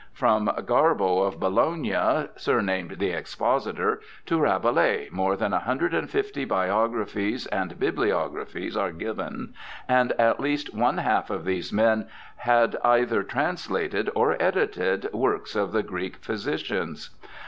From Garbo of Bologna, surnamed the expositor, to Rabelais, more than 150 biographies and bibliographies are given, and at least one half of these men had either translated or edited works of the Greek physicians.